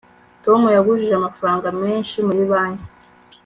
tom yagujije amafaranga menshi muri banki